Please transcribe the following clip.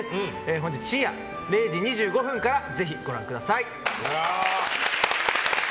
本日深夜０時２５分からぜひご覧ください。